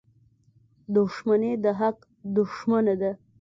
• دښمني د حق دښمنه ده.